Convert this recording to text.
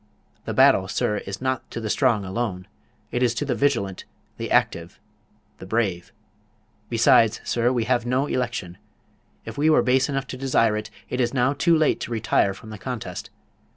The battle, sir, is not to the strong alone; it is to the vigilant, the active, the brave. Besides, sir, we have no election. If we were base enough to desire it, it is now too late to retire from the contest.